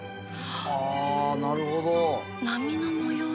あなるほど。